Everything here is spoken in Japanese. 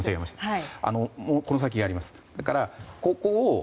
この先があります。